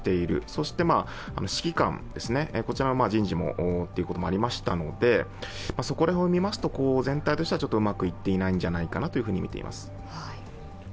そして指揮官こちらの人事もということもありましたのでそれを見ますと全体としてはうまくいっていないんじゃないかなと見ています。